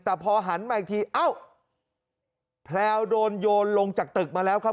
แต่พอหันมาอีกทีเอ้าแพลวโดนโยนลงจากตึกมาแล้วครับ